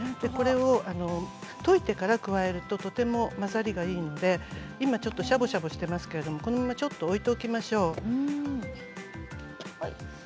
これを溶いてから加えるととても混ざりがいいので今ちょっと、しゃぼしゃぼしていますがこのままちょっと置いておきましょう。